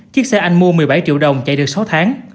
chiếc xe anh mua một mươi bảy triệu đồng chạy được sáu tháng